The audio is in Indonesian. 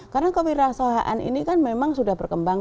karena kewirausahaan ini kan memang sudah berkembang